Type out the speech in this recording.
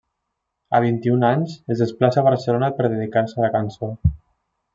A vint-i-un anys es desplaça a Barcelona per dedicar-se a la cançó.